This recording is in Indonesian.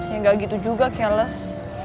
ya gak gitu juga keles